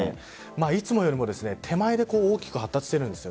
いつもよりも手前で大きく発達しているんです。